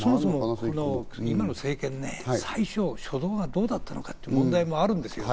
今の政権ね、初動がどうだったのかという問題もあるんですよね。